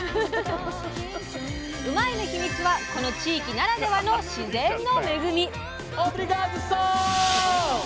うまいッ！のヒミツはこの地域ならではの自然の恵み！